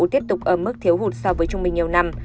tiếp tục ở mức thiếu hụt so với trung bình nhiều năm